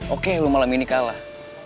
oke lu malam ini kalah